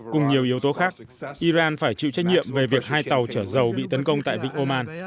cùng nhiều yếu tố khác iran phải chịu trách nhiệm về việc hai tàu chở dầu bị tấn công tại vịnh oman